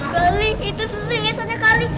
kali itu susi ngesetnya kali